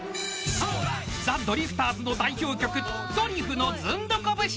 ［ザ・ドリフターズの代表曲『ドリフのズンドコ節』］